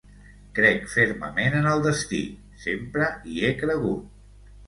Crec fermament en el destí, sempre hi he cregut.